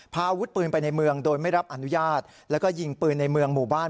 พาอาวุธปืนไปในเมืองโดยไม่รับอนุญาตแล้วก็ยิงปืนในเมืองหมู่บ้าน